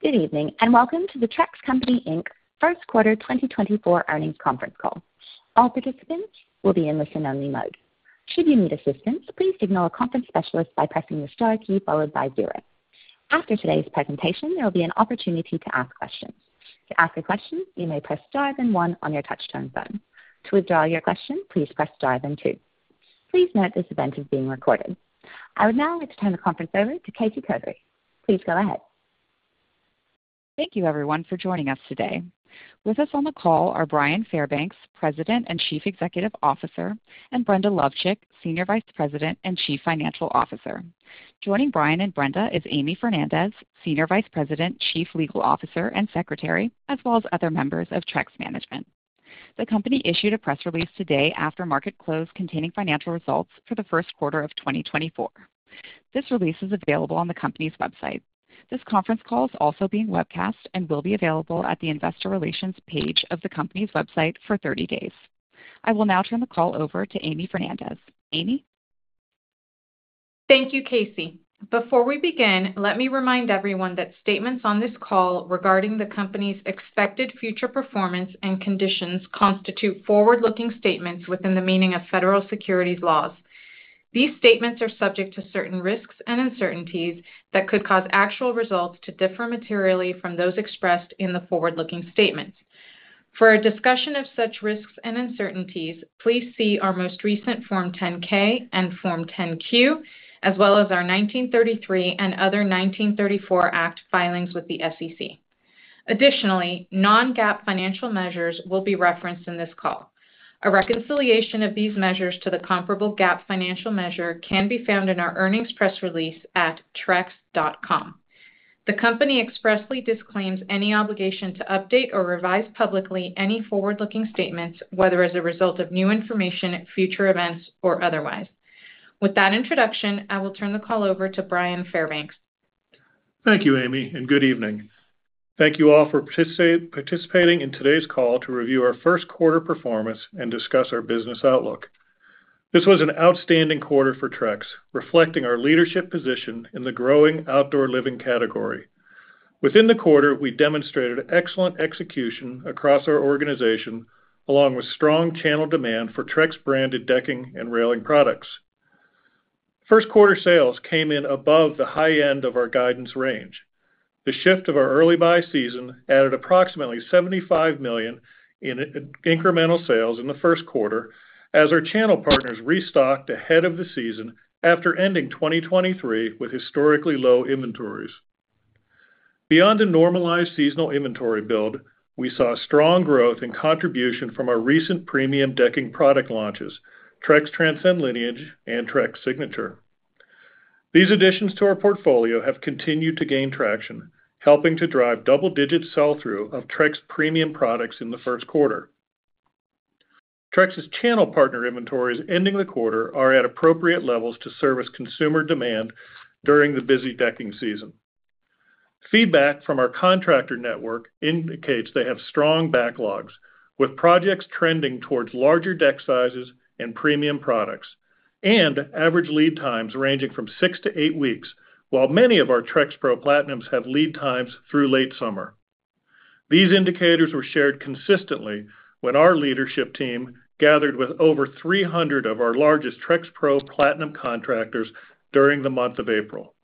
Good evening and welcome to the Trex Company, Inc First Quarter 2024 Earnings Conference Call. All participants will be in listen-only mode. Should you need assistance, please signal a conference specialist by pressing the star key followed by zero. After today's presentation, there will be an opportunity to ask questions. To ask a question, you may press star then one on your touch-tone phone. To withdraw your question, please press star then two. Please note this event is being recorded. I would now like to turn the conference over to Casey Kotary. Please go ahead. Thank you, everyone, for joining us today. With us on the call are Bryan Fairbanks, President and Chief Executive Officer, and Brenda Lovcik, Senior Vice President and Chief Financial Officer. Joining Bryan and Brenda is Amy Fernandez, Senior Vice President, Chief Legal Officer and Secretary, as well as other members of Trex Management. The company issued a press release today after market close containing financial results for the first quarter of 2024. This release is available on the company's website. This conference call is also being webcast and will be available at the Investor Relations page of the company's website for 30 days. I will now turn the call over to Amy Fernandez. Amy? Thank you, Casey. Before we begin, let me remind everyone that statements on this call regarding the company's expected future performance and conditions constitute forward-looking statements within the meaning of federal securities laws. These statements are subject to certain risks and uncertainties that could cause actual results to differ materially from those expressed in the forward-looking statements. For a discussion of such risks and uncertainties, please see our most recent Form 10-K and Form 10-Q, as well as our 1933 and other 1934 Act filings with the SEC. Additionally, non-GAAP financial measures will be referenced in this call. A reconciliation of these measures to the comparable GAAP financial measure can be found in our earnings press release at trex.com. The company expressly disclaims any obligation to update or revise publicly any forward-looking statements, whether as a result of new information, future events, or otherwise. With that introduction, I will turn the call over to Bryan Fairbanks. Thank you, Amy, and good evening. Thank you all for participating in today's call to review our first quarter performance and discuss our business outlook. This was an outstanding quarter for Trex, reflecting our leadership position in the growing outdoor living category. Within the quarter, we demonstrated excellent execution across our organization, along with strong channel demand for Trex-branded decking and railing products. First quarter sales came in above the high end of our guidance range. The shift of our early buy season added approximately $75 million in incremental sales in the first quarter as our channel partners restocked ahead of the season after ending 2023 with historically low inventories. Beyond a normalized seasonal inventory build, we saw strong growth in contribution from our recent premium decking product launches, Trex Transcend Lineage and Trex Signature. These additions to our portfolio have continued to gain traction, helping to drive double-digit sell-through of Trex premium products in the first quarter. Trex's channel partner inventories ending the quarter are at appropriate levels to service consumer demand during the busy decking season. Feedback from our contractor network indicates they have strong backlogs, with projects trending towards larger deck sizes and premium products, and average lead times ranging from six to eight weeks, while many of our TrexPro Platinums have lead times through late summer. These indicators were shared consistently when our leadership team gathered with over 300 of our largest TrexPro Platinum contractors during the month of April.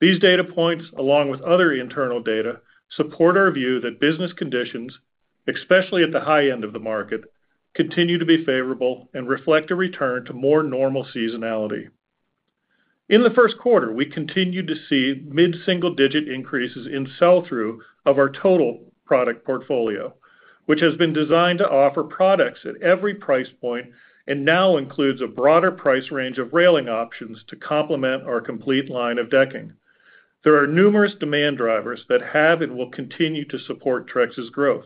These data points, along with other internal data, support our view that business conditions, especially at the high end of the market, continue to be favorable and reflect a return to more normal seasonality. In the first quarter, we continued to see mid-single-digit increases in sell-through of our total product portfolio, which has been designed to offer products at every price point and now includes a broader price range of railing options to complement our complete line of decking. There are numerous demand drivers that have and will continue to support Trex's growth.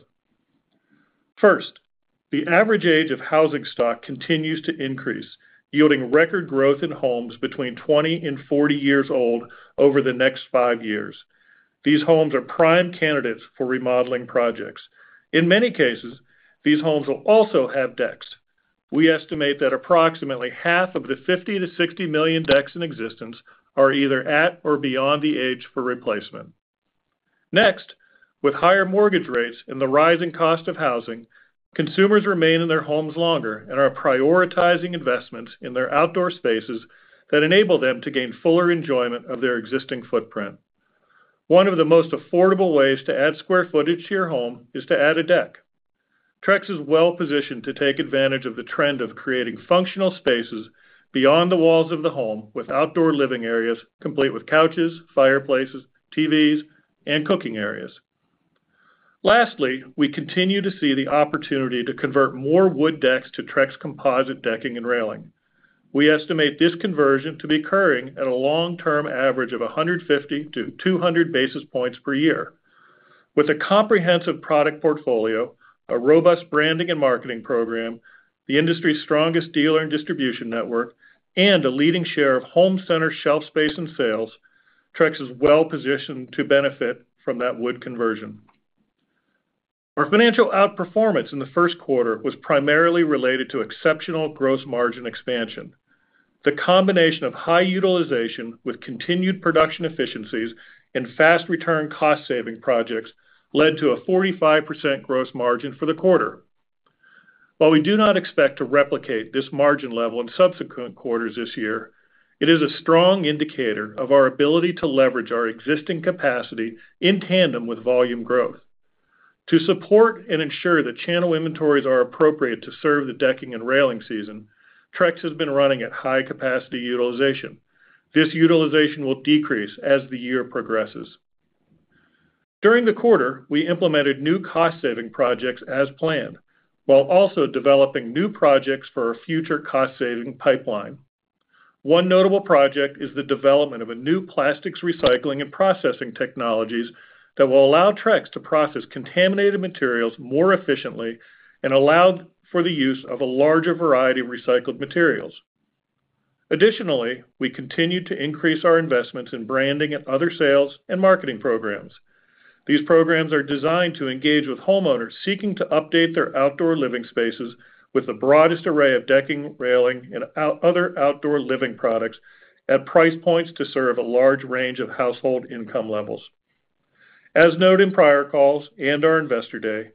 First, the average age of housing stock continues to increase, yielding record growth in homes between 20 and 40 years old over the next 5 years. These homes are prime candidates for remodeling projects. In many cases, these homes will also have decks. We estimate that approximately half of the 50 million-60 million decks in existence are either at or beyond the age for replacement. Next, with higher mortgage rates and the rising cost of housing, consumers remain in their homes longer and are prioritizing investments in their outdoor spaces that enable them to gain fuller enjoyment of their existing footprint. One of the most affordable ways to add square footage to your home is to add a deck. Trex is well positioned to take advantage of the trend of creating functional spaces beyond the walls of the home with outdoor living areas complete with couches, fireplaces, TVs, and cooking areas. Lastly, we continue to see the opportunity to convert more wood decks to Trex composite decking and railing. We estimate this conversion to be occurring at a long-term average of 150-200 basis points per year. With a comprehensive product portfolio, a robust branding and marketing program, the industry's strongest dealer and distribution network, and a leading share of home center shelf space and sales, Trex is well positioned to benefit from that wood conversion. Our financial outperformance in the first quarter was primarily related to exceptional gross margin expansion. The combination of high utilization with continued production efficiencies and fast-return cost-saving projects led to a 45% gross margin for the quarter. While we do not expect to replicate this margin level in subsequent quarters this year, it is a strong indicator of our ability to leverage our existing capacity in tandem with volume growth. To support and ensure that channel inventories are appropriate to serve the decking and railing season, Trex has been running at high capacity utilization. This utilization will decrease as the year progresses. During the quarter, we implemented new cost-saving projects as planned, while also developing new projects for our future cost-saving pipeline. One notable project is the development of a new plastics recycling and processing technologies that will allow Trex to process contaminated materials more efficiently and allow for the use of a larger variety of recycled materials. Additionally, we continue to increase our investments in branding and other sales and marketing programs. These programs are designed to engage with homeowners seeking to update their outdoor living spaces with the broadest array of decking, railing, and other outdoor living products at price points to serve a large range of household income levels. As noted in prior calls and our investor day,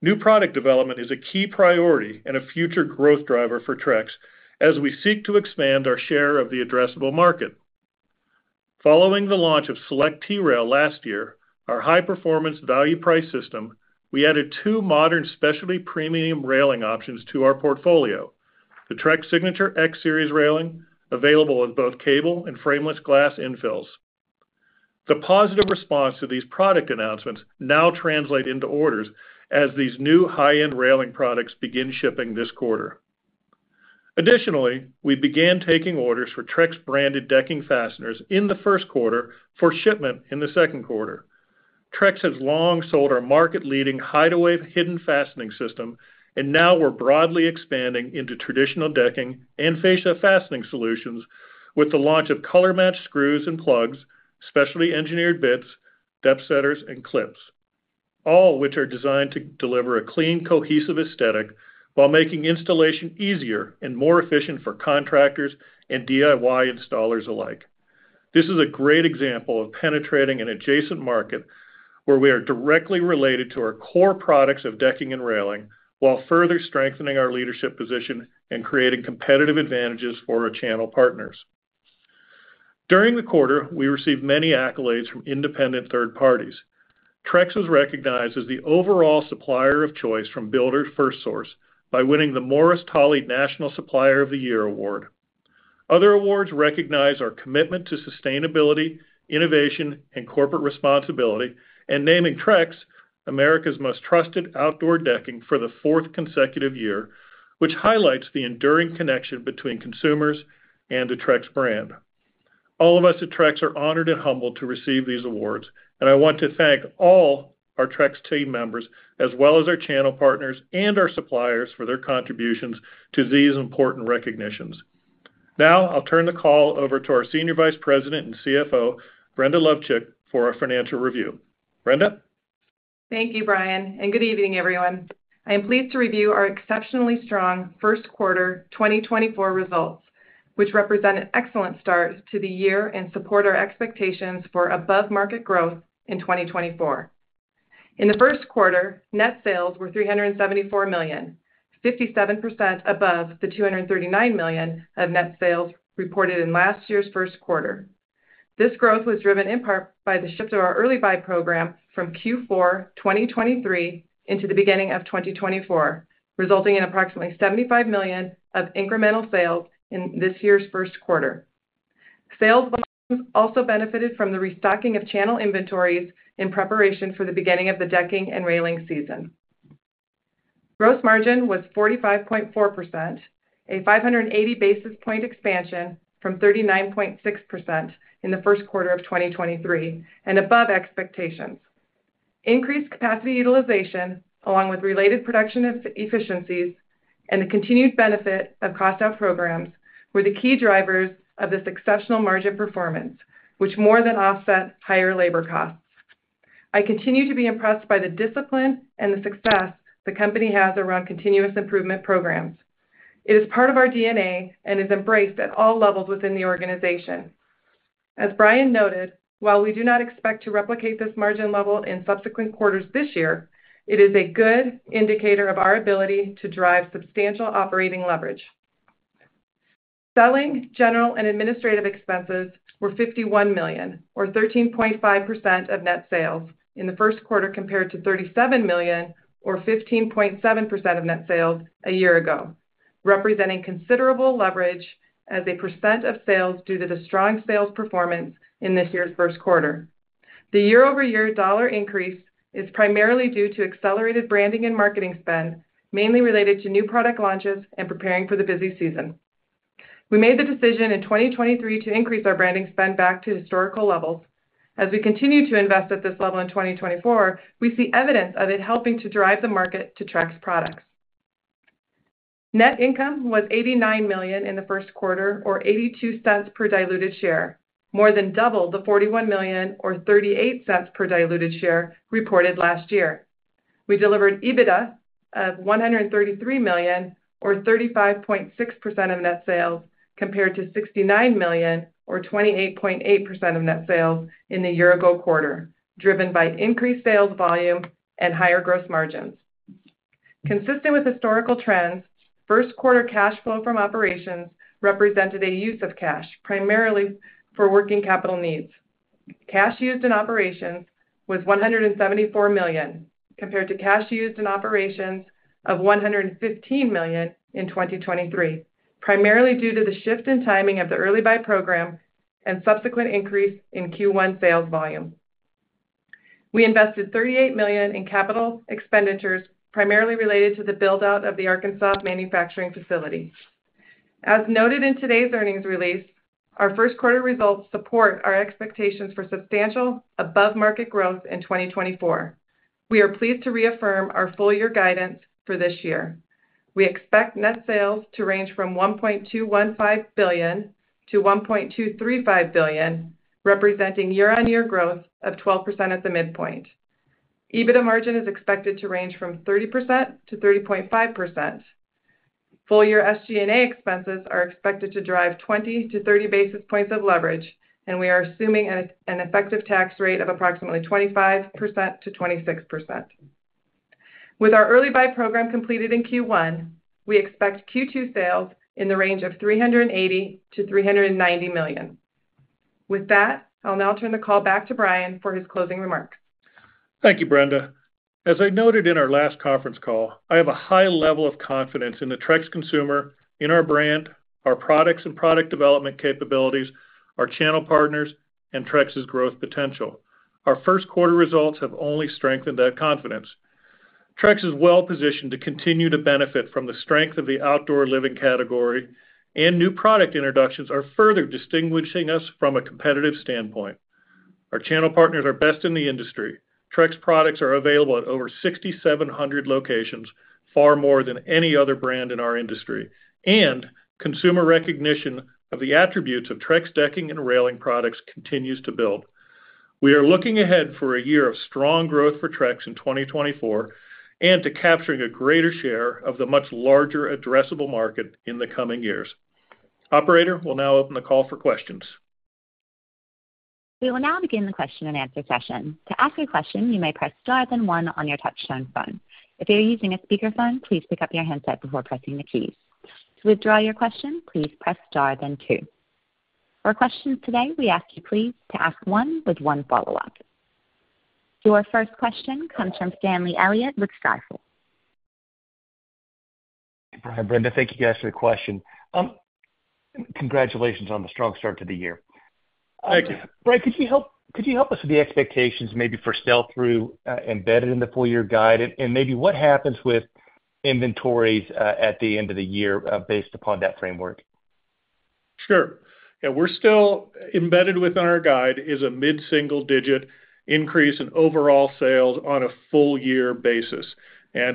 new product development is a key priority and a future growth driver for Trex as we seek to expand our share of the addressable market. Following the launch of Select T-Rail last year, our high-performance value-price system, we added two modern specialty premium railing options to our portfolio: the Trex Signature X-Series railing, available with both cable and frameless glass infills. The positive response to these product announcements now translates into orders as these new high-end railing products begin shipping this quarter. Additionally, we began taking orders for Trex-branded decking fasteners in the first quarter for shipment in the second quarter. Trex has long sold our market-leading Hideaway hidden fastening system, and now we're broadly expanding into traditional decking and fascia fastening solutions with the launch of color-matched screws and plugs, specially engineered bits, depth setters, and clips, all which are designed to deliver a clean, cohesive aesthetic while making installation easier and more efficient for contractors and DIY installers alike. This is a great example of penetrating an adjacent market where we are directly related to our core products of decking and railing while further strengthening our leadership position and creating competitive advantages for our channel partners. During the quarter, we received many accolades from independent third parties. Trex was recognized as the overall supplier of choice from Builders FirstSource by winning the Norris-Tolley National Supplier of the Year award. Other awards recognize our commitment to sustainability, innovation, and corporate responsibility, and naming Trex America's most trusted outdoor decking for the fourth consecutive year, which highlights the enduring connection between consumers and the Trex brand. All of us at Trex are honored and humbled to receive these awards, and I want to thank all our Trex team members, as well as our channel partners and our suppliers, for their contributions to these important recognitions. Now I'll turn the call over to our Senior Vice President and CFO, Brenda Lovcik, for a financial review. Brenda? Thank you, Bryan, and good evening, everyone. I am pleased to review our exceptionally strong first quarter 2024 results, which represent an excellent start to the year and support our expectations for above-market growth in 2024. In the first quarter, net sales were $374 million, 57% above the $239 million of net sales reported in last year's first quarter. This growth was driven in part by the shift of our early buy program from Q4 2023 into the beginning of 2024, resulting in approximately $75 million of incremental sales in this year's first quarter. Sales volumes also benefited from the restocking of channel inventories in preparation for the beginning of the decking and railing season. Gross margin was 45.4%, a 580 basis point expansion from 39.6% in the first quarter of 2023 and above expectations. Increased capacity utilization, along with related production efficiencies and the continued benefit of cost-out programs, were the key drivers of this exceptional margin performance, which more than offset higher labor costs. I continue to be impressed by the discipline and the success the company has around continuous improvement programs. It is part of our DNA and is embraced at all levels within the organization. As Bryan noted, while we do not expect to replicate this margin level in subsequent quarters this year, it is a good indicator of our ability to drive substantial operating leverage. Selling, general, and administrative expenses were $51 million, or 13.5% of net sales in the first quarter compared to $37 million, or 15.7% of net sales a year ago, representing considerable leverage as a percent of sales due to the strong sales performance in this year's first quarter. The year-over-year dollar increase is primarily due to accelerated branding and marketing spend, mainly related to new product launches and preparing for the busy season. We made the decision in 2023 to increase our branding spend back to historical levels. As we continue to invest at this level in 2024, we see evidence of it helping to drive the market to Trex products. Net income was $89 million in the first quarter, or $0.82 per diluted share, more than double the $41 million, or $0.38 per diluted share, reported last year. We delivered EBITDA of $133 million, or 35.6% of net sales compared to $69 million, or 28.8% of net sales in the year-ago quarter, driven by increased sales volume and higher gross margins. Consistent with historical trends, first quarter cash flow from operations represented a use of cash primarily for working capital needs. Cash used in operations was $174 million compared to cash used in operations of $115 million in 2023, primarily due to the shift in timing of the early buy program and subsequent increase in Q1 sales volume. We invested $38 million in capital expenditures primarily related to the build-out of the Arkansas manufacturing facility. As noted in today's earnings release, our first quarter results support our expectations for substantial above-market growth in 2024. We are pleased to reaffirm our full-year guidance for this year. We expect net sales to range from $1.215 billion-$1.235 billion, representing year-on-year growth of 12% at the midpoint. EBITDA margin is expected to range from 30%-30.5%. Full-year SG&A expenses are expected to drive 20-30 basis points of leverage, and we are assuming an effective tax rate of approximately 25%-26%. With our early buy program completed in Q1, we expect Q2 sales in the range of $380 million-$390 million. With that, I'll now turn the call back to Bryan for his closing remarks. Thank you, Brenda. As I noted in our last conference call, I have a high level of confidence in the Trex consumer, in our brand, our products and product development capabilities, our channel partners, and Trex's growth potential. Our first quarter results have only strengthened that confidence. Trex is well positioned to continue to benefit from the strength of the outdoor living category, and new product introductions are further distinguishing us from a competitive standpoint. Our channel partners are best in the industry. Trex products are available at over 6,700 locations, far more than any other brand in our industry, and consumer recognition of the attributes of Trex decking and railing products continues to build. We are looking ahead for a year of strong growth for Trex in 2024 and to capturing a greater share of the much larger addressable market in the coming years. Operator will now open the call for questions. We will now begin the question and answer session. To ask a question, you may press star, then one on your touchscreen phone. If you're using a speakerphone, please pick up your handset before pressing the keys. To withdraw your question, please press star, then two. For questions today, we ask you, please, to ask one with one follow-up. Your first question comes from Stanley Elliott with Stifel. Hi, Bryan. Brenda, thank you guys for the question. Congratulations on the strong start to the year. Thank you. Bryan, could you help us with the expectations maybe for sell-through embedded in the full-year guide, and maybe what happens with inventories at the end of the year based upon that framework? Sure. Yeah, we're still embedded within our guide is a mid-single-digit increase in overall sales on a full-year basis.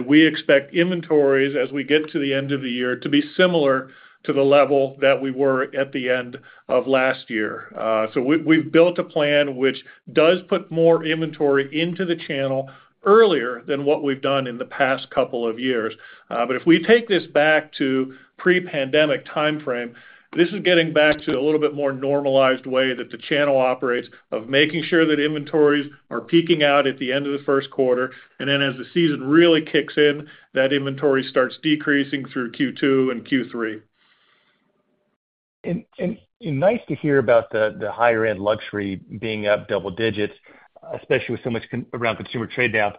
We expect inventories as we get to the end of the year to be similar to the level that we were at the end of last year. So we've built a plan which does put more inventory into the channel earlier than what we've done in the past couple of years. But if we take this back to pre-pandemic timeframe, this is getting back to a little bit more normalized way that the channel operates of making sure that inventories are peaking out at the end of the first quarter, and then as the season really kicks in, that inventory starts decreasing through Q2 and Q3. Nice to hear about the higher-end luxury being up double digits, especially with so much around consumer trade-down.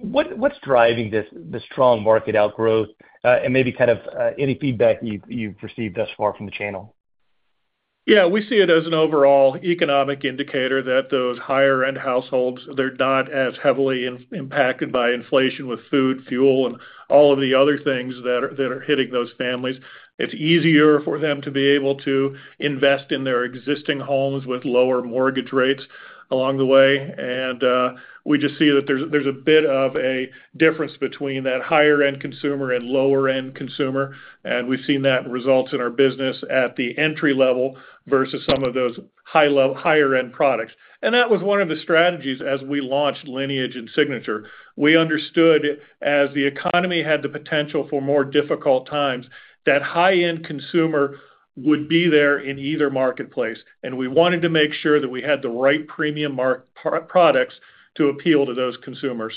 What's driving this strong market outgrowth, and maybe kind of any feedback you've received thus far from the channel? Yeah, we see it as an overall economic indicator that those higher-end households, they're not as heavily impacted by inflation with food, fuel, and all of the other things that are hitting those families. It's easier for them to be able to invest in their existing homes with lower mortgage rates along the way. And we just see that there's a bit of a difference between that higher-end consumer and lower-end consumer, and we've seen that results in our business at the entry level versus some of those higher-end products. And that was one of the strategies as we launched Lineage and Signature. We understood as the economy had the potential for more difficult times that high-end consumer would be there in either marketplace, and we wanted to make sure that we had the right premium products to appeal to those consumers.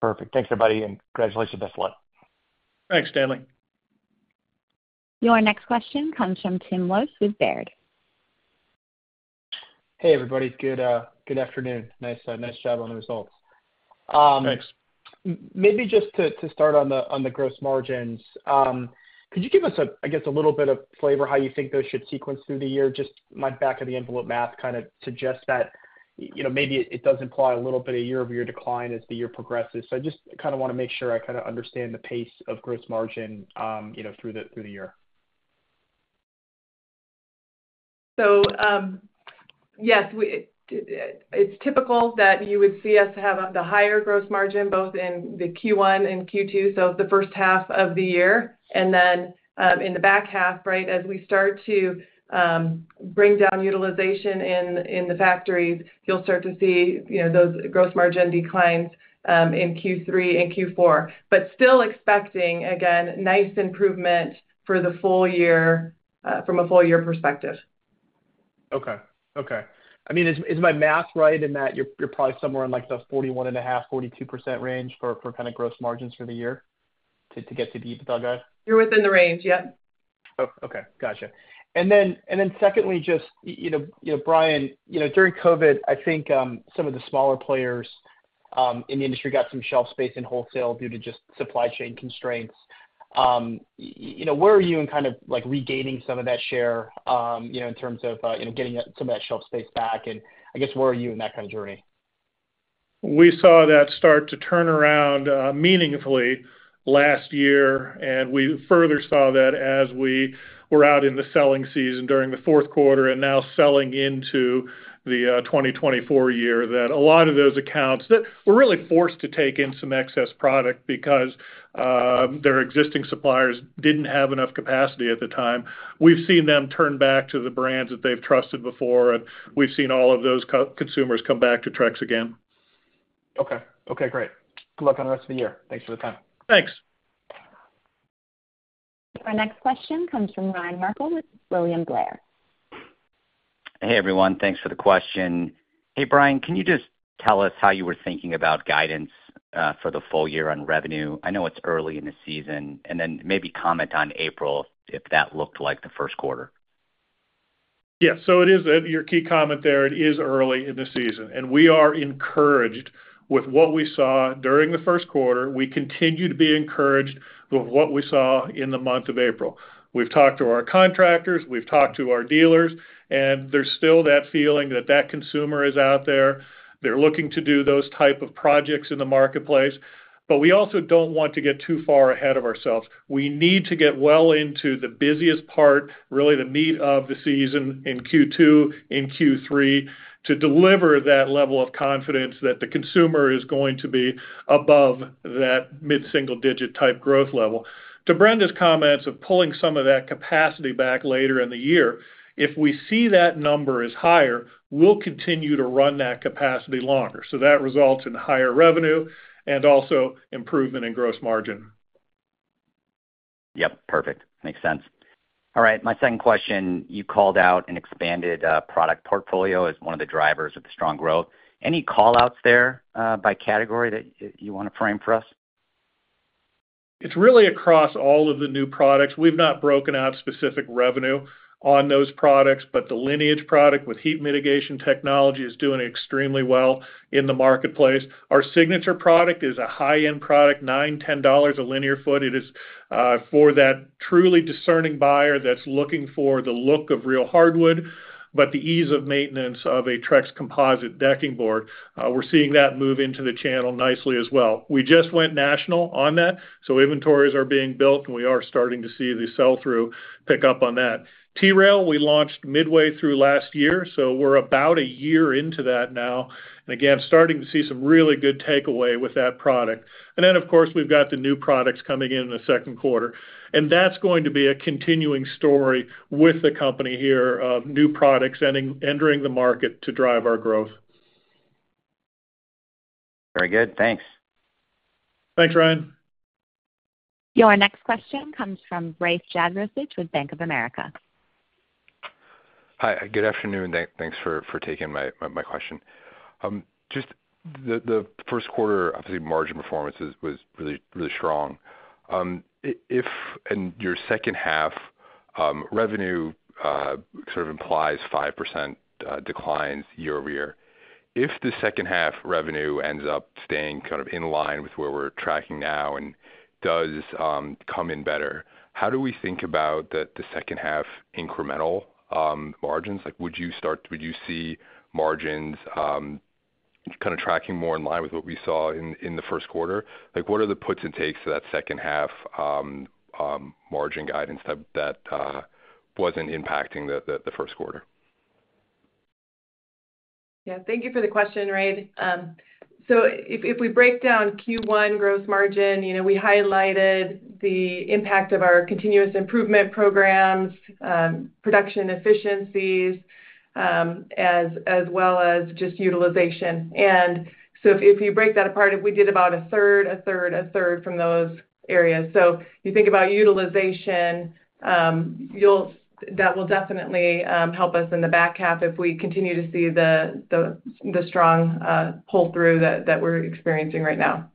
Perfect. Thanks, everybody, and congratulations. Best of luck. Thanks, Stanley. Your next question comes from Tim Wojs with Baird. Hey, everybody. Good afternoon. Nice job on the results. Thanks. Maybe just to start on the gross margins, could you give us, I guess, a little bit of flavor how you think those should sequence through the year? Just my back-of-the-envelope math kind of suggests that maybe it does imply a little bit of year-over-year decline as the year progresses. I just kind of want to make sure I kind of understand the pace of gross margin through the year. So yes, it's typical that you would see us have the higher gross margin both in the Q1 and Q2, so the first half of the year. And then in the back half, right, as we start to bring down utilization in the factories, you'll start to see those gross margin declines in Q3 and Q4, but still expecting, again, nice improvement for the full year from a full-year perspective. Okay. Okay. I mean, is my math right in that you're probably somewhere in the 41.5%-42% range for kind of gross margins for the year to get to the EBITDA guide? You're within the range. Yep. Oh, okay. Gotcha. And then secondly, just Bryan, during COVID, I think some of the smaller players in the industry got some shelf space in wholesale due to just supply chain constraints. Where are you in kind of regaining some of that share in terms of getting some of that shelf space back? And I guess where are you in that kind of journey? We saw that start to turn around meaningfully last year, and we further saw that as we were out in the selling season during the fourth quarter and now selling into the 2024 year, that a lot of those accounts that were really forced to take in some excess product because their existing suppliers didn't have enough capacity at the time. We've seen them turn back to the brands that they've trusted before, and we've seen all of those consumers come back to Trex again. Okay. Okay. Great. Good luck on the rest of the year. Thanks for the time. Thanks. Our next question comes from Ryan Merkel with William Blair. Hey, everyone. Thanks for the question. Hey, Bryan, can you just tell us how you were thinking about guidance for the full year on revenue? I know it's early in the season, and then maybe comment on April if that looked like the first quarter. Yeah. So your key comment there, it is early in the season. And we are encouraged with what we saw during the first quarter. We continue to be encouraged with what we saw in the month of April. We've talked to our contractors. We've talked to our dealers. And there's still that feeling that that consumer is out there. They're looking to do those type of projects in the marketplace. But we also don't want to get too far ahead of ourselves. We need to get well into the busiest part, really the meat of the season in Q2, in Q3, to deliver that level of confidence that the consumer is going to be above that mid-single digit type growth level. To Brenda's comments of pulling some of that capacity back later in the year, if we see that number is higher, we'll continue to run that capacity longer. So that results in higher revenue and also improvement in gross margin. Yep. Perfect. Makes sense. All right. My second question, you called out an expanded product portfolio as one of the drivers of the strong growth. Any callouts there by category that you want to frame for us? It's really across all of the new products. We've not broken out specific revenue on those products, but the Lineage product with heat mitigation technology is doing extremely well in the marketplace. Our Signature product is a high-end product, $9-$10 a linear foot. It is for that truly discerning buyer that's looking for the look of real hardwood, but the ease of maintenance of a Trex composite decking board. We're seeing that move into the channel nicely as well. We just went national on that. So inventories are being built, and we are starting to see the sell-through pick up on that. T-Rail, we launched midway through last year. So we're about a year into that now, and again, starting to see some really good takeaway with that product. And then, of course, we've got the new products coming in in the second quarter. That's going to be a continuing story with the company here of new products entering the market to drive our growth. Very good. Thanks. Thanks, Ryan. Your next question comes from Rafe Jadrosich with Bank of America. Hi. Good afternoon. Thanks for taking my question. Just the first quarter, obviously, margin performance was really strong. And your second half revenue sort of implies 5% declines year-over-year. If the second half revenue ends up staying kind of in line with where we're tracking now and does come in better, how do we think about the second half incremental margins? Would you see margins kind of tracking more in line with what we saw in the first quarter? What are the puts and takes to that second half margin guidance that wasn't impacting the first quarter? Yeah. Thank you for the question, Rafe. So if we break down Q1 gross margin, we highlighted the impact of our continuous improvement programs, production efficiencies, as well as just utilization. And so if you break that apart, we did about a third, a third, a third from those areas. So you think about utilization, that will definitely help us in the back half if we continue to see the strong pull-through that we're experiencing right now.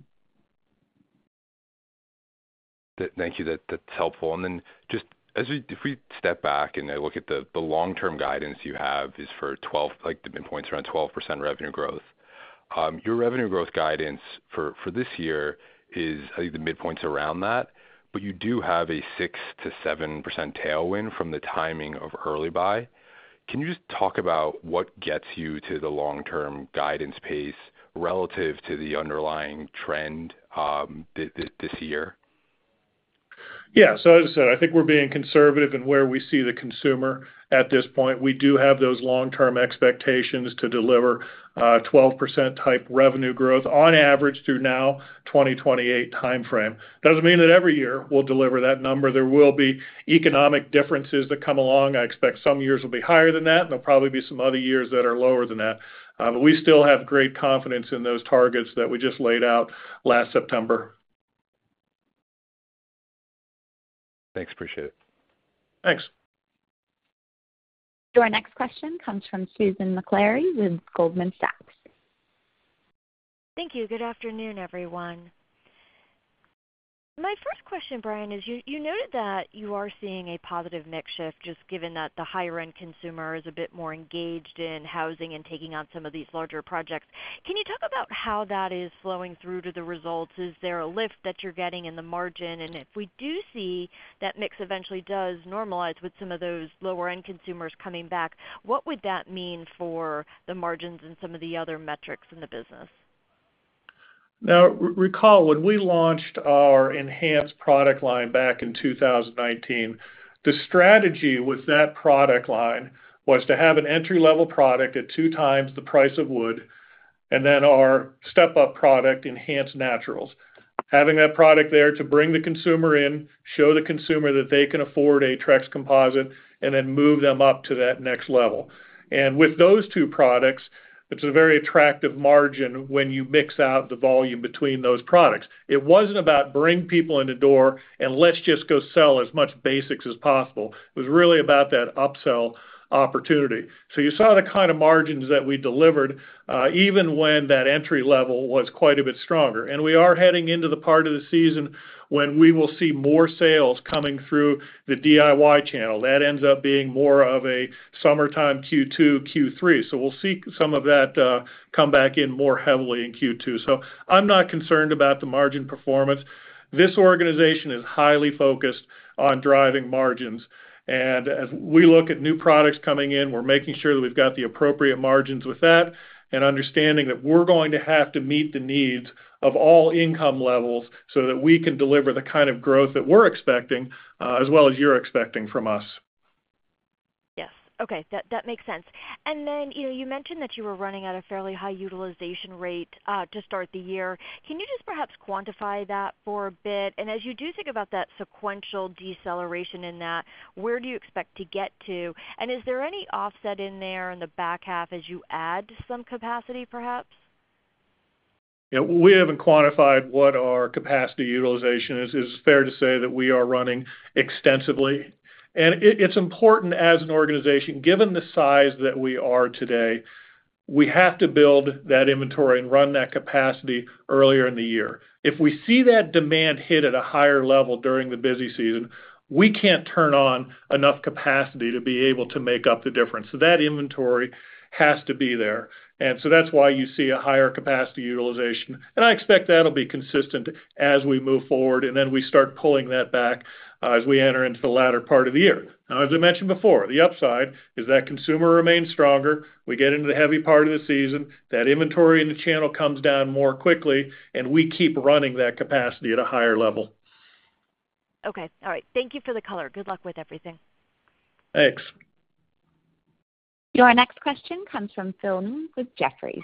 Thank you. That's helpful. And then just if we step back and look at the long-term guidance you have is for the midpoints around 12% revenue growth. Your revenue growth guidance for this year is, I think, the midpoints around that, but you do have a 6%-7% tailwind from the timing of early buy. Can you just talk about what gets you to the long-term guidance pace relative to the underlying trend this year? Yeah. So as I said, I think we're being conservative in where we see the consumer at this point. We do have those long-term expectations to deliver 12% type revenue growth on average through now, 2028 timeframe. Doesn't mean that every year we'll deliver that number. There will be economic differences that come along. I expect some years will be higher than that, and there'll probably be some other years that are lower than that. But we still have great confidence in those targets that we just laid out last September. Thanks. Appreciate it. Thanks. Your next question comes from Susan Maklari with Goldman Sachs. Thank you. Good afternoon, everyone. My first question, Bryan, is you noted that you are seeing a positive mix shift just given that the higher-end consumer is a bit more engaged in housing and taking on some of these larger projects. Can you talk about how that is flowing through to the results? Is there a lift that you're getting in the margin? And if we do see that mix eventually does normalize with some of those lower-end consumers coming back, what would that mean for the margins and some of the other metrics in the business? Now, recall when we launched our enhanced product line back in 2019, the strategy with that product line was to have an entry-level product at two times the price of wood and then our step-up product, Enhance Naturals. Having that product there to bring the consumer in, show the consumer that they can afford a Trex composite, and then move them up to that next level. And with those two products, it's a very attractive margin when you mix out the volume between those products. It wasn't about bringing people in the door and let's just go sell as much basics as possible. It was really about that upsell opportunity. So you saw the kind of margins that we delivered even when that entry level was quite a bit stronger. We are heading into the part of the season when we will see more sales coming through the DIY channel. That ends up being more of a summertime Q2, Q3. We'll see some of that come back in more heavily in Q2. I'm not concerned about the margin performance. This organization is highly focused on driving margins. As we look at new products coming in, we're making sure that we've got the appropriate margins with that and understanding that we're going to have to meet the needs of all income levels so that we can deliver the kind of growth that we're expecting as well as you're expecting from us. Yes. Okay. That makes sense. And then you mentioned that you were running at a fairly high utilization rate to start the year. Can you just perhaps quantify that for a bit? And as you do think about that sequential deceleration in that, where do you expect to get to? And is there any offset in there in the back half as you add some capacity, perhaps? Yeah. We haven't quantified what our capacity utilization is. It's fair to say that we are running extensively. And it's important as an organization, given the size that we are today, we have to build that inventory and run that capacity earlier in the year. If we see that demand hit at a higher level during the busy season, we can't turn on enough capacity to be able to make up the difference. So that inventory has to be there. And so that's why you see a higher capacity utilization. And I expect that'll be consistent as we move forward, and then we start pulling that back as we enter into the latter part of the year. Now, as I mentioned before, the upside is that consumer remains stronger. We get into the heavy part of the season. That inventory in the channel comes down more quickly, and we keep running that capacity at a higher level. Okay. All right. Thank you for the color. Good luck with everything. Thanks. Your next question comes from Phil Ng with Jefferies.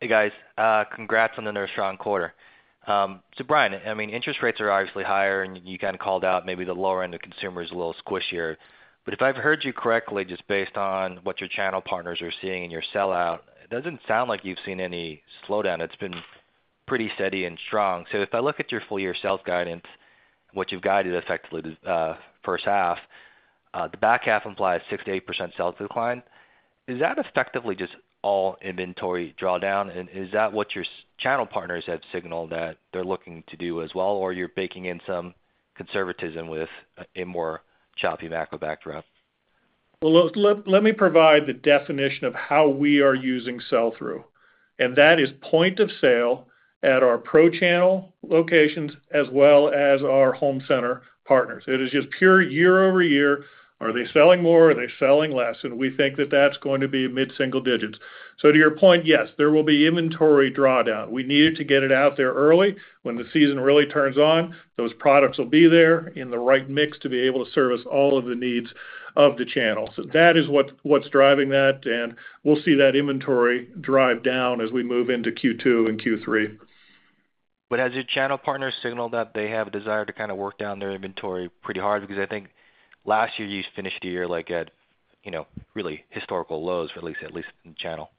Hey, guys. Congrats on another strong quarter. So, Bryan, I mean, interest rates are obviously higher, and you kind of called out maybe the lower-end of consumer is a little squishier. But if I've heard you correctly, just based on what your channel partners are seeing in your sell-through, it doesn't sound like you've seen any slowdown. It's been pretty steady and strong. So if I look at your full-year sales guidance, what you've guided effectively the first half, the back half implies 6%-8% sales decline. Is that effectively just all inventory drawdown? And is that what your channel partners have signaled that they're looking to do as well, or you're baking in some conservatism with a more choppy macro backdrop? Well, let me provide the definition of how we are using sell-through. And that is point of sale at our pro channel locations as well as our home center partners. It is just pure year-over-year. Are they selling more? Are they selling less? And we think that that's going to be mid-single digits. So to your point, yes, there will be inventory drawdown. We needed to get it out there early. When the season really turns on, those products will be there in the right mix to be able to service all of the needs of the channel. So that is what's driving that, and we'll see that inventory drive down as we move into Q2 and Q3. Has your channel partners signaled that they have a desire to kind of work down their inventory pretty hard? Because I think last year you finished the year at really historical lows, at least in the channel.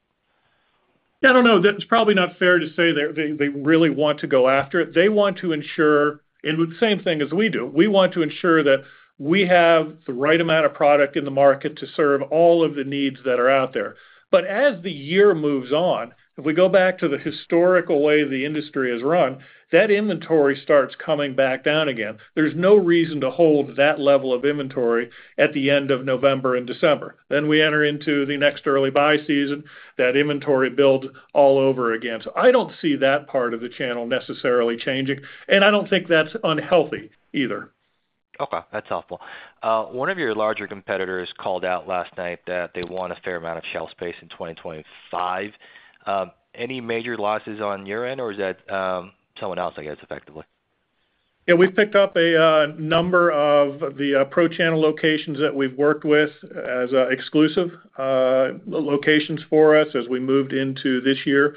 Yeah. I don't know. It's probably not fair to say they really want to go after it. They want to ensure, and same thing as we do. We want to ensure that we have the right amount of product in the market to serve all of the needs that are out there. But as the year moves on, if we go back to the historical way the industry has run, that inventory starts coming back down again. There's no reason to hold that level of inventory at the end of November and December. Then we enter into the next early buy season. That inventory builds all over again. So I don't see that part of the channel necessarily changing. And I don't think that's unhealthy either. Okay. That's helpful. One of your larger competitors called out last night that they want a fair amount of shelf space in 2025. Any major losses on your end, or is that someone else, I guess, effectively? Yeah. We've picked up a number of the pro channel locations that we've worked with as exclusive locations for us as we moved into this year.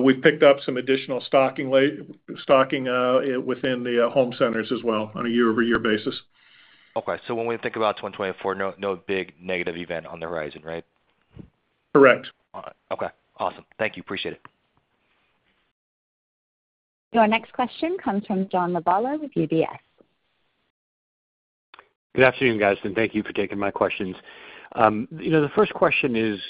We've picked up some additional stocking within the home centers as well on a year-over-year basis. Okay. When we think about 2024, no big negative event on the horizon, right? Correct. All right. Okay. Awesome. Thank you. Appreciate it. Your next question comes from John Lovallo with UBS. Good afternoon, guys, and thank you for taking my questions. The first question is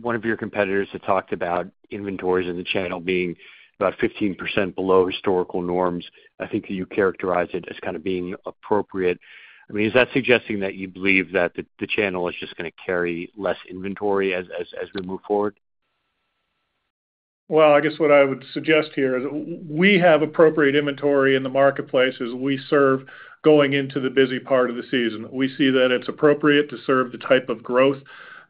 one of your competitors that talked about inventories in the channel being about 15% below historical norms. I think that you characterize it as kind of being appropriate. I mean, is that suggesting that you believe that the channel is just going to carry less inventory as we move forward? Well, I guess what I would suggest here is we have appropriate inventory in the marketplace as we serve going into the busy part of the season. We see that it's appropriate to serve the type of growth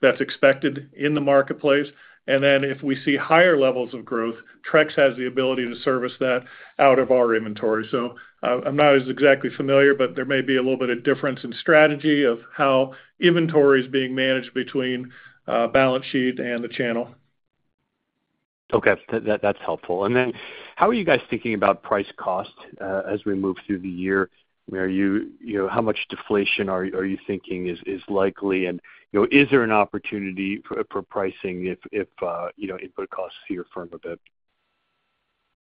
that's expected in the marketplace. And then if we see higher levels of growth, Trex has the ability to service that out of our inventory. So I'm not as exactly familiar, but there may be a little bit of difference in strategy of how inventory is being managed between balance sheet and the channel. Okay. That's helpful. Then how are you guys thinking about price-cost as we move through the year? I mean, how much deflation are you thinking is likely? And is there an opportunity for pricing if input costs stabilize a bit?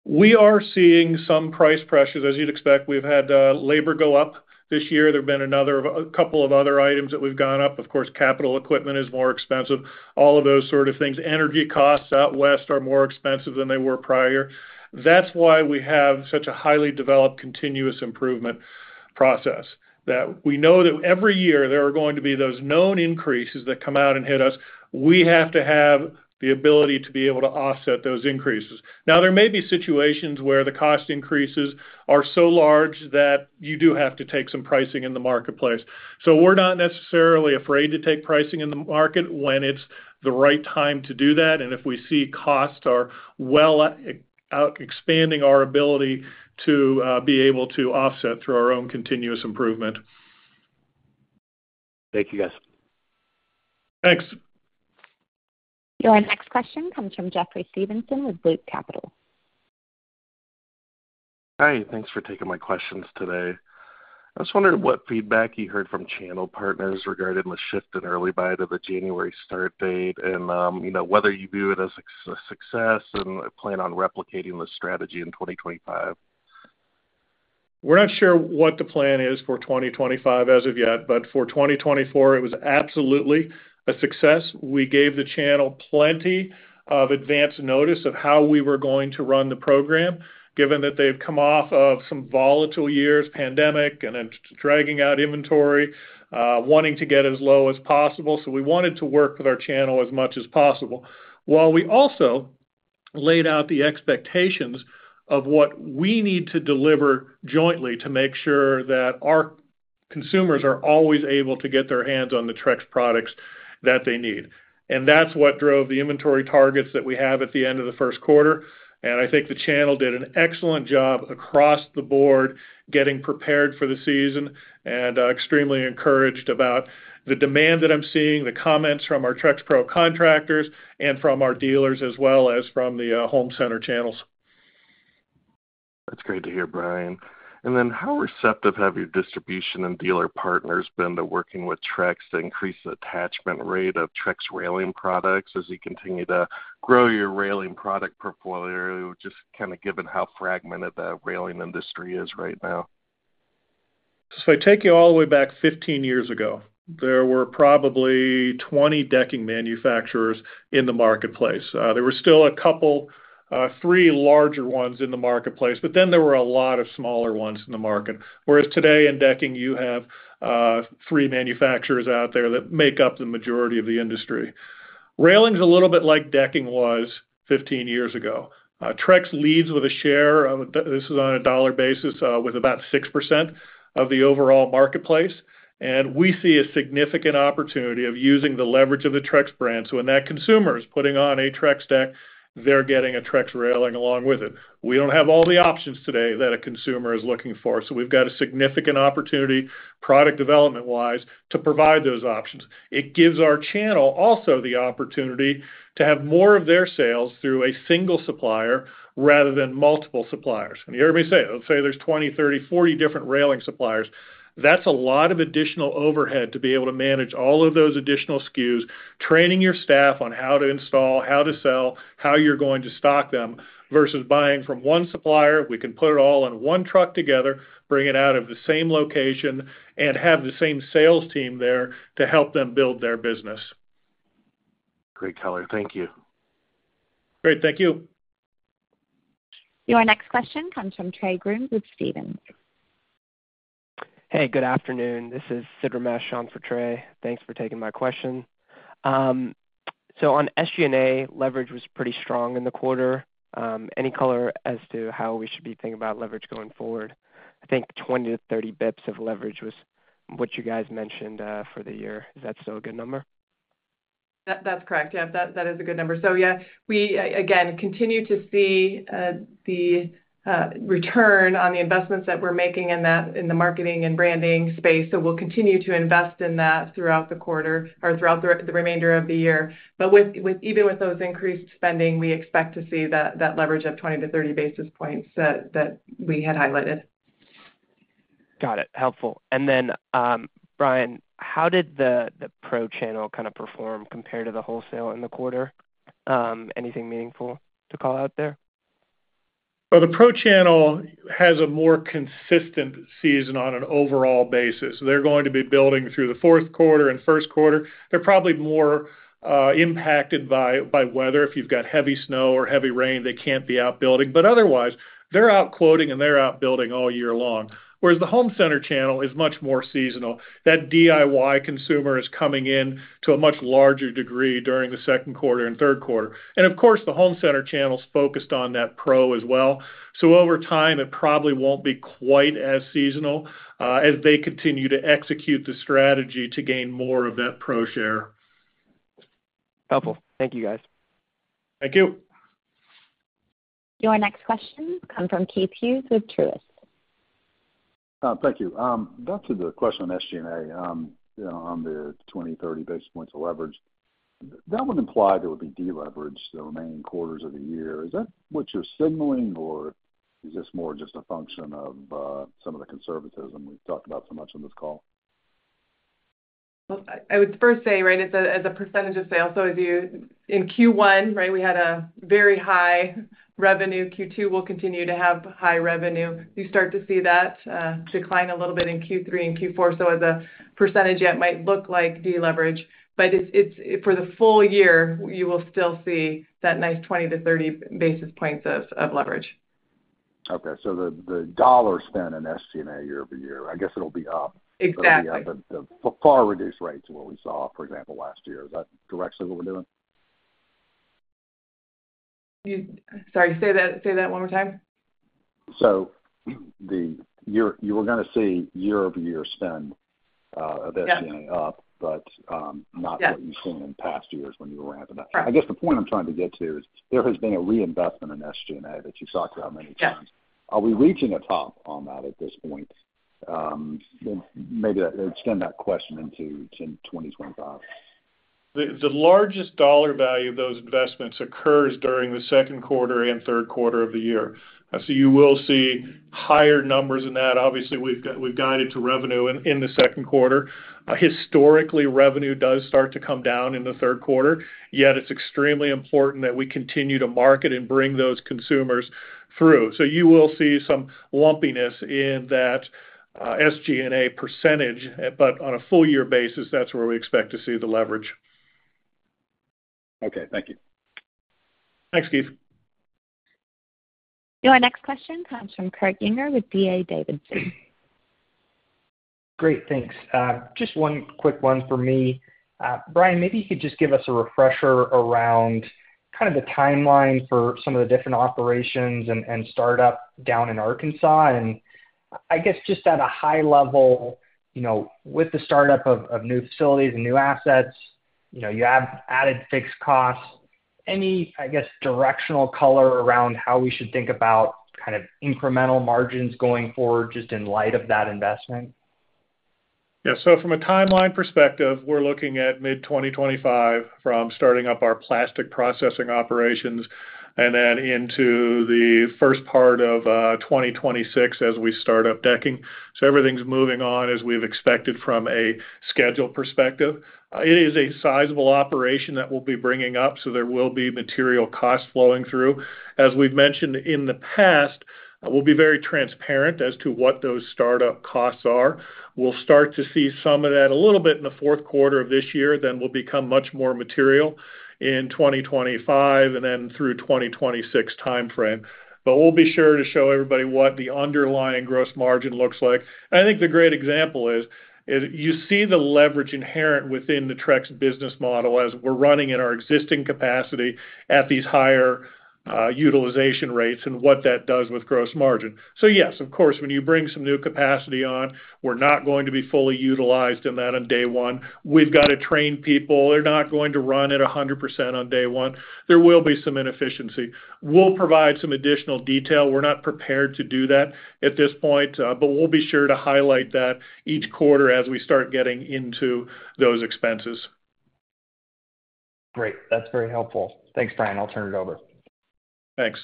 We are seeing some price pressures. As you'd expect, we've had labor go up this year. There've been a couple of other items that we've gone up. Of course, capital equipment is more expensive, all of those sort of things. Energy costs out west are more expensive than they were prior. That's why we have such a highly developed continuous improvement process. We know that every year there are going to be those known increases that come out and hit us. We have to have the ability to be able to offset those increases. Now, there may be situations where the cost increases are so large that you do have to take some pricing in the marketplace. So we're not necessarily afraid to take pricing in the market when it's the right time to do that. If we see costs, we'll expand our ability to be able to offset through our own continuous improvement. Thank you, guys. Thanks. Your next question comes from Jeffrey Stevenson with Loop Capital. Hi. Thanks for taking my questions today. I just wondered what feedback you heard from channel partners regarding the shift in early buy to the January start date and whether you view it as a success and plan on replicating the strategy in 2025? We're not sure what the plan is for 2025 as of yet, but for 2024, it was absolutely a success. We gave the channel plenty of advance notice of how we were going to run the program given that they've come off of some volatile years, pandemic, and then dragging out inventory, wanting to get as low as possible. So we wanted to work with our channel as much as possible while we also laid out the expectations of what we need to deliver jointly to make sure that our consumers are always able to get their hands on the Trex products that they need. And that's what drove the inventory targets that we have at the end of the first quarter. I think the channel did an excellent job across the board getting prepared for the season and extremely encouraged about the demand that I'm seeing, the comments from our TrexPro contractors, and from our dealers as well as from the home center channels. That's great to hear, Bryan. And then how receptive have your distribution and dealer partners been to working with Trex to increase the attachment rate of Trex railing products as you continue to grow your railing product portfolio, just kind of given how fragmented the railing industry is right now? So if I take you all the way back 15 years ago, there were probably 20 decking manufacturers in the marketplace. There were still a couple, three larger ones in the marketplace, but then there were a lot of smaller ones in the market. Whereas today in decking, you have three manufacturers out there that make up the majority of the industry. Railing's a little bit like decking was 15 years ago. Trex leads with a share of this is on a dollar basis with about 6% of the overall marketplace. And we see a significant opportunity of using the leverage of the Trex brand. So when that consumer is putting on a Trex deck, they're getting a Trex railing along with it. We don't have all the options today that a consumer is looking for. So we've got a significant opportunity, product development-wise, to provide those options. It gives our channel also the opportunity to have more of their sales through a single supplier rather than multiple suppliers. And you hear me say, let's say there's 20, 30, 40 different railing suppliers. That's a lot of additional overhead to be able to manage all of those additional SKUs, training your staff on how to install, how to sell, how you're going to stock them versus buying from one supplier. We can put it all in one truck together, bring it out of the same location, and have the same sales team there to help them build their business. Great color. Thank you. Great. Thank you. Your next question comes from Trey Grooms with Stephens. Hey, good afternoon. This is Sid Ramesh for Trey. Thanks for taking my question. On SG&A, leverage was pretty strong in the quarter. Any color as to how we should be thinking about leverage going forward? I think 20-30 bips of leverage was what you guys mentioned for the year. Is that still a good number? That's correct. Yeah, that is a good number. So yeah, we, again, continue to see the return on the investments that we're making in the marketing and branding space. So we'll continue to invest in that throughout the quarter or throughout the remainder of the year. But even with those increased spending, we expect to see that leverage of 20-30 basis points that we had highlighted. Got it. Helpful. And then, Bryan, how did the pro channel kind of perform compared to the wholesale in the quarter? Anything meaningful to call out there? Well, the pro channel has a more consistent season on an overall basis. They're going to be building through the fourth quarter and first quarter. They're probably more impacted by weather. If you've got heavy snow or heavy rain, they can't be out building. But otherwise, they're out quoting and they're out building all year long. Whereas the home center channel is much more seasonal. That DIY consumer is coming in to a much larger degree during the second quarter and third quarter. And of course, the home center channel's focused on that pro as well. So over time, it probably won't be quite as seasonal as they continue to execute the strategy to gain more of that pro share. Helpful. Thank you, guys. Thank you. Your next question comes from Keith Hughes with Truist. Thank you. Back to the question on SG&A on the 20-30 basis points of leverage. That would imply there would be deleveraged the remaining quarters of the year. Is that what you're signaling, or is this more just a function of some of the conservatism we've talked about so much on this call? Well, I would first say, right, as a percentage of sales, so in Q1, right, we had a very high revenue. Q2 will continue to have high revenue. You start to see that decline a little bit in Q3 and Q4. So as a percentage, it might look like deleverage. But for the full year, you will still see that nice 20-30 basis points of leverage. Okay. So the dollar spend in SG&A year-over-year, I guess it'll be up. Exactly. It'll be up at the far reduced rate to what we saw, for example, last year. Is that directly what we're doing? Sorry. Say that one more time. So you were going to see year-over-year spend of SG&A up, but not what you've seen in past years when you were ramping up. I guess the point I'm trying to get to is there has been a reinvestment in SG&A that you've talked about many times. Are we reaching a top on that at this point? Maybe extend that question into 2025. The largest dollar value of those investments occurs during the second quarter and third quarter of the year. So you will see higher numbers in that. Obviously, we've guided to revenue in the second quarter. Historically, revenue does start to come down in the third quarter. Yet, it's extremely important that we continue to market and bring those consumers through. So you will see some lumpiness in that SG&A percentage. But on a full-year basis, that's where we expect to see the leverage. Okay. Thank you. Thanks, Keith. Your next question comes from Kurt Yinger with D.A. Davidson. Great. Thanks. Just one quick one for me. Bryan, maybe you could just give us a refresher around kind of the timeline for some of the different operations and startups down in Arkansas. I guess just at a high level, with the startup of new facilities and new assets, you have added fixed costs. Any, I guess, directional color around how we should think about kind of incremental margins going forward just in light of that investment? Yeah. So from a timeline perspective, we're looking at mid-2025 from starting up our plastic processing operations and then into the first part of 2026 as we start up decking. So everything's moving on as we've expected from a schedule perspective. It is a sizable operation that we'll be bringing up, so there will be material costs flowing through. As we've mentioned in the past, we'll be very transparent as to what those startup costs are. We'll start to see some of that a little bit in the fourth quarter of this year. Then we'll become much more material in 2025 and then through 2026 timeframe. But we'll be sure to show everybody what the underlying gross margin looks like. I think the great example is you see the leverage inherent within the Trex business model as we're running in our existing capacity at these higher utilization rates and what that does with gross margin. So yes, of course, when you bring some new capacity on, we're not going to be fully utilized in that on day one. We've got to train people. They're not going to run at 100% on day one. There will be some inefficiency. We'll provide some additional detail. We're not prepared to do that at this point, but we'll be sure to highlight that each quarter as we start getting into those expenses. Great. That's very helpful. Thanks, Bryan. I'll turn it over. Thanks.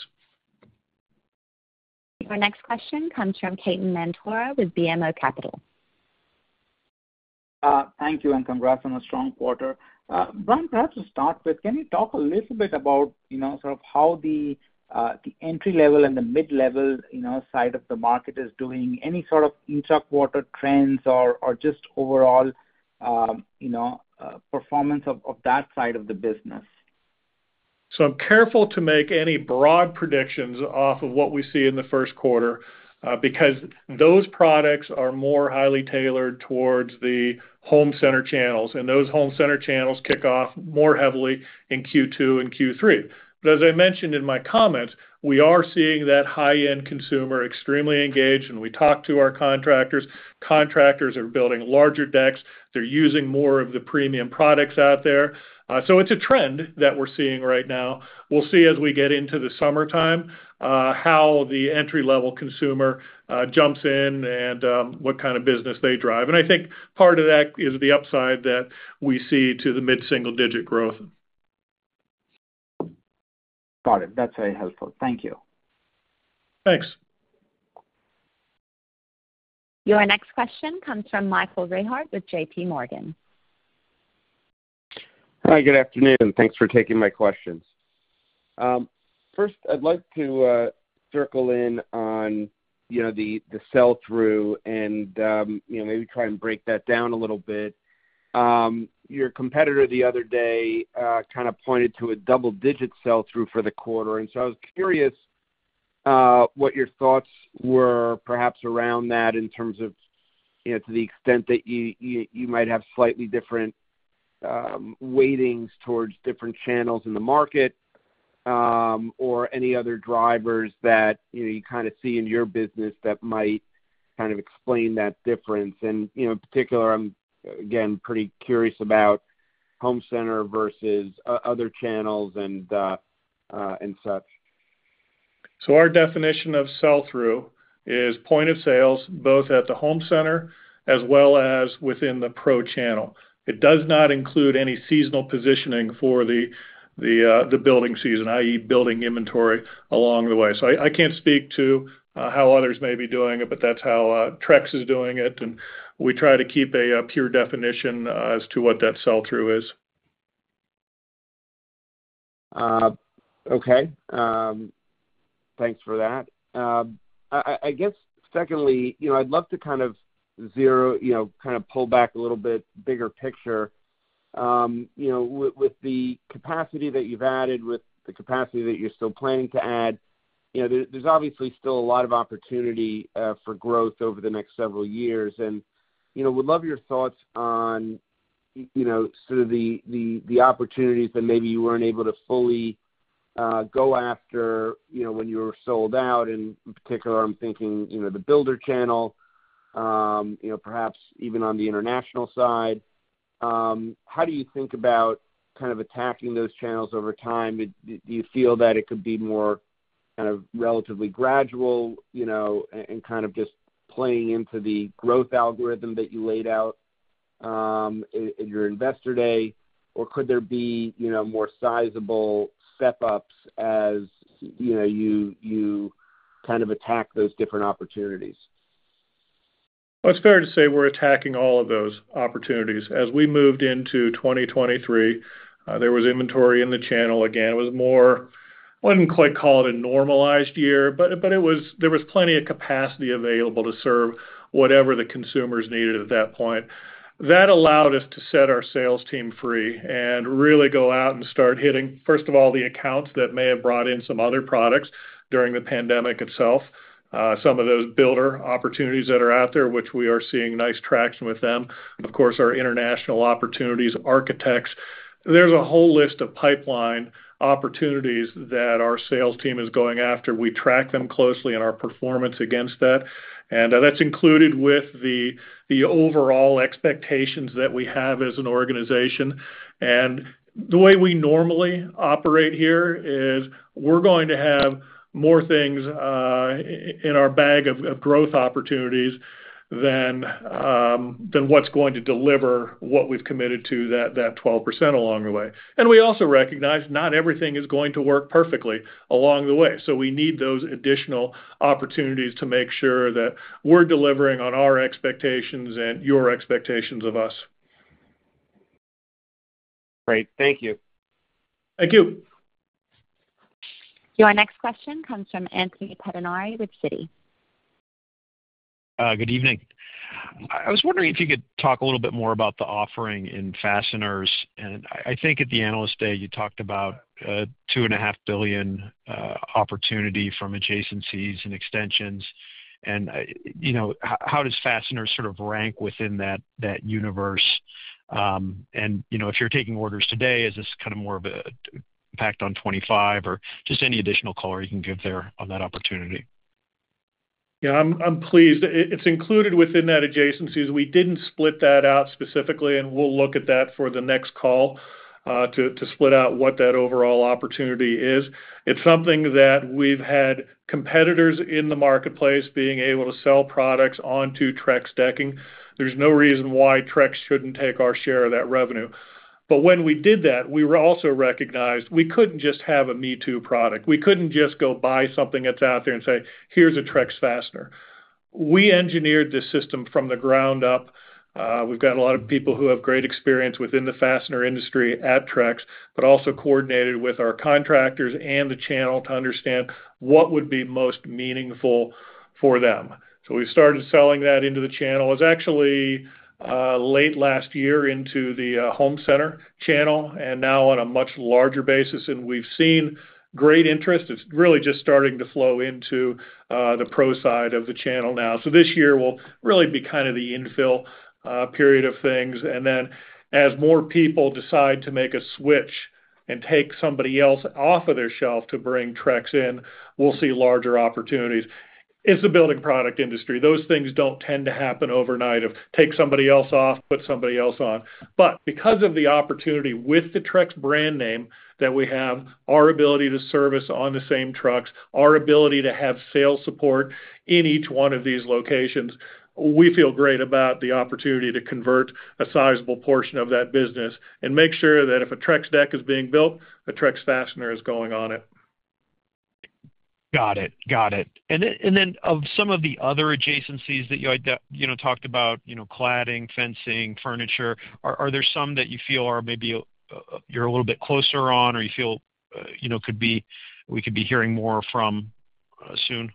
Our next question comes from Ketan Mamtora with BMO Capital. Thank you and congrats on a strong quarter. Bryan, perhaps to start with, can you talk a little bit about sort of how the entry level and the mid-level side of the market is doing? Any sort of intra-quarter trends or just overall performance of that side of the business? So I'm careful to make any broad predictions off of what we see in the first quarter because those products are more highly tailored towards the home center channels. And those home center channels kick off more heavily in Q2 and Q3. But as I mentioned in my comments, we are seeing that high-end consumer extremely engaged. And we talk to our contractors. Contractors are building larger decks. They're using more of the premium products out there. So it's a trend that we're seeing right now. We'll see as we get into the summertime how the entry-level consumer jumps in and what kind of business they drive. And I think part of that is the upside that we see to the mid-single-digit growth. Got it. That's very helpful. Thank you. Thanks. Your next question comes from Michael Rehaut with JPMorgan. Hi. Good afternoon. Thanks for taking my questions. First, I'd like to circle in on the sell-through and maybe try and break that down a little bit. Your competitor the other day kind of pointed to a double-digit sell-through for the quarter. And so I was curious what your thoughts were perhaps around that in terms of to the extent that you might have slightly different weightings towards different channels in the market or any other drivers that you kind of see in your business that might kind of explain that difference. And in particular, I'm, again, pretty curious about home center versus other channels and such. So our definition of sell-through is point of sales both at the home center as well as within the pro channel. It does not include any seasonal positioning for the building season, i.e., building inventory along the way. So I can't speak to how others may be doing it, but that's how Trex is doing it. And we try to keep a pure definition as to what that sell-through is. Okay. Thanks for that. I guess, secondly, I'd love to kind of zero kind of pull back a little bit bigger picture. With the capacity that you've added, with the capacity that you're still planning to add, there's obviously still a lot of opportunity for growth over the next several years. And would love your thoughts on sort of the opportunities that maybe you weren't able to fully go after when you were sold out. And in particular, I'm thinking the builder channel, perhaps even on the international side. How do you think about kind of attacking those channels over time? Do you feel that it could be more kind of relatively gradual and kind of just playing into the growth algorithm that you laid out in your investor day? Or could there be more sizable step-ups as you kind of attack those different opportunities? Well, it's fair to say we're attacking all of those opportunities. As we moved into 2023, there was inventory in the channel. Again, it was more I wouldn't quite call it a normalized year, but there was plenty of capacity available to serve whatever the consumers needed at that point. That allowed us to set our sales team free and really go out and start hitting, first of all, the accounts that may have brought in some other products during the pandemic itself, some of those builder opportunities that are out there, which we are seeing nice traction with them. Of course, our international opportunities, architects. There's a whole list of pipeline opportunities that our sales team is going after. We track them closely in our performance against that. And that's included with the overall expectations that we have as an organization. The way we normally operate here is we're going to have more things in our bag of growth opportunities than what's going to deliver what we've committed to, that 12% along the way. We also recognize not everything is going to work perfectly along the way. We need those additional opportunities to make sure that we're delivering on our expectations and your expectations of us. Great. Thank you. Thank you. Your next question comes from Anthony Pettinari with Citi. Good evening. I was wondering if you could talk a little bit more about the offering in Fasteners. I think at the analyst day, you talked about a $2.5 billion opportunity from adjacencies and extensions. How does Fasteners sort of rank within that universe? If you're taking orders today, is this kind of more of an impact on 2025 or just any additional color you can give there on that opportunity? Yeah. I'm pleased. It's included within that adjacencies. We didn't split that out specifically, and we'll look at that for the next call to split out what that overall opportunity is. It's something that we've had competitors in the marketplace being able to sell products onto Trex decking. There's no reason why Trex shouldn't take our share of that revenue. But when we did that, we also recognized we couldn't just have a me-too product. We couldn't just go buy something that's out there and say, "Here's a Trex fastener." We engineered this system from the ground up. We've got a lot of people who have great experience within the fastener industry at Trex, but also coordinated with our contractors and the channel to understand what would be most meaningful for them. So we started selling that into the channel actually late last year into the home center channel and now on a much larger basis. And we've seen great interest. It's really just starting to flow into the pro side of the channel now. So this year will really be kind of the infill period of things. And then as more people decide to make a switch and take somebody else off of their shelf to bring Trex in, we'll see larger opportunities. It's a building product industry. Those things don't tend to happen overnight or take somebody else off, put somebody else on. But because of the opportunity with the Trex brand name that we have, our ability to service on the same trucks, our ability to have sales support in each one of these locations, we feel great about the opportunity to convert a sizable portion of that business and make sure that if a Trex deck is being built, a Trex fastener is going on it. Got it. Got it. And then of some of the other adjacencies that you talked about, cladding, fencing, furniture, are there some that you feel maybe you're a little bit closer on or you feel we could be hearing more from soon?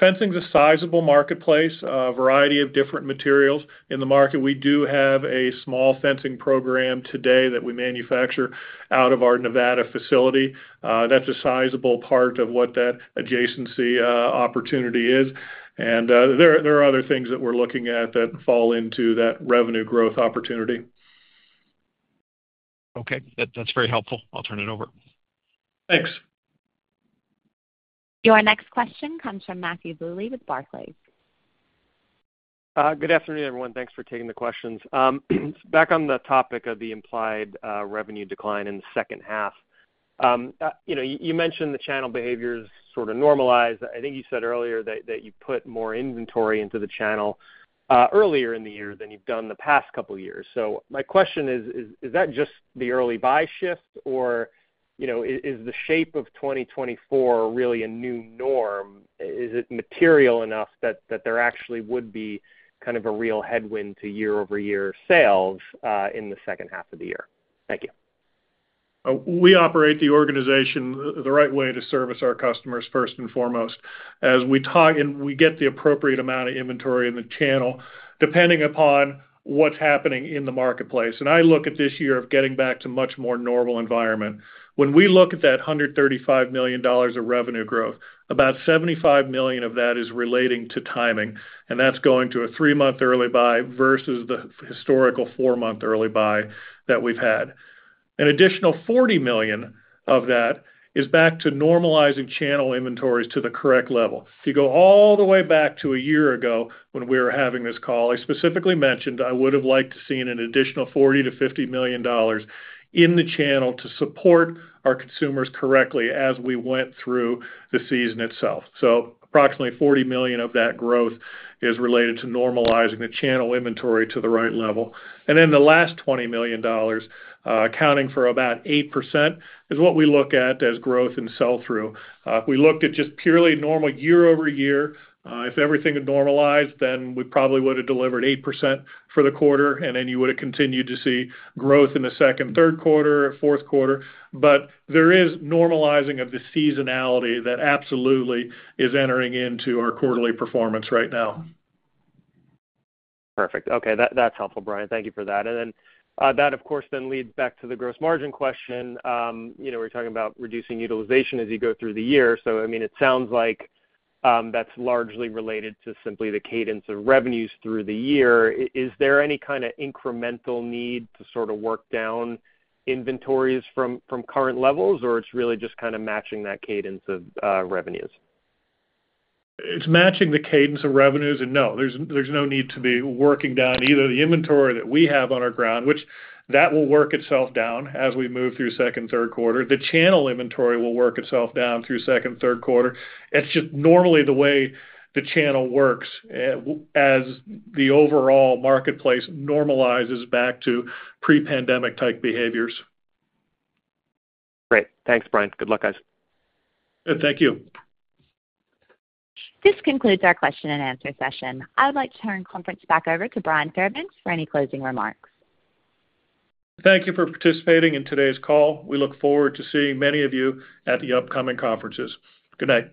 Fencing's a sizable marketplace, a variety of different materials in the market. We do have a small fencing program today that we manufacture out of our Nevada facility. That's a sizable part of what that adjacency opportunity is. And there are other things that we're looking at that fall into that revenue growth opportunity. Okay. That's very helpful. I'll turn it over. Thanks. Your next question comes from Matthew Bouley with Barclays. Good afternoon, everyone. Thanks for taking the questions. Back on the topic of the implied revenue decline in the second half, you mentioned the channel behavior's sort of normalized. I think you said earlier that you put more inventory into the channel earlier in the year than you've done the past couple of years. So my question is, is that just the early buy shift, or is the shape of 2024 really a new norm? Is it material enough that there actually would be kind of a real headwind to year-over-year sales in the second half of the year? Thank you. We operate the organization the right way to service our customers first and foremost. We get the appropriate amount of inventory in the channel depending upon what's happening in the marketplace. I look at this year of getting back to much more normal environment. When we look at that $135 million of revenue growth, about $75 million of that is relating to timing. That's going to a three-month early buy versus the historical four-month early buy that we've had. An additional $40 million of that is back to normalizing channel inventories to the correct level. If you go all the way back to a year ago when we were having this call, I specifically mentioned I would have liked to seen an additional $40 million-$50 million in the channel to support our consumers correctly as we went through the season itself. Approximately $40 million of that growth is related to normalizing the channel inventory to the right level. Then the last $20 million, accounting for about 8%, is what we look at as growth and sell-through. If we looked at just purely normal year-over-year, if everything had normalized, then we probably would have delivered 8% for the quarter. Then you would have continued to see growth in the second, third quarter, fourth quarter. But there is normalizing of the seasonality that absolutely is entering into our quarterly performance right now. Perfect. Okay. That's helpful, Bryan. Thank you for that. And then that, of course, then leads back to the gross margin question. We're talking about reducing utilization as you go through the year. So I mean, it sounds like that's largely related to simply the cadence of revenues through the year. Is there any kind of incremental need to sort of work down inventories from current levels, or it's really just kind of matching that cadence of revenues? It's matching the cadence of revenues. And no, there's no need to be working down either the inventory that we have on our ground, which that will work itself down as we move through second, third quarter. The channel inventory will work itself down through second, third quarter. It's just normally the way the channel works as the overall marketplace normalizes back to pre-pandemic-type behaviors. Great. Thanks, Bryan. Good luck, guys. Thank you. This concludes our question and answer session. I would like to turn conference back over to Bryan Fairbanks for any closing remarks. Thank you for participating in today's call. We look forward to seeing many of you at the upcoming conferences. Good night.